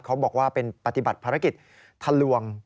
เขาบอกว่าเป็นปฏิบัติภารกิจทะลวง